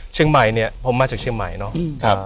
เชียงใหม่เนี่ยผมมาจากเชียงใหม่เนาะ